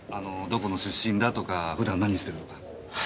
どこの出身だとか普段何してるとか。